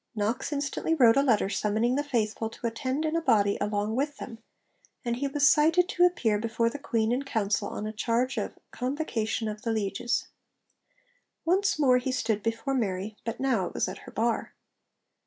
Knox instantly wrote a letter summoning the faithful to attend in a body along with them; and he was cited to appear before the Queen in Council on a charge of 'convocation of the lieges.' Once more he stood before Mary, but now it was at her bar.